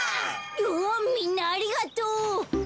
おおみんなありがとう！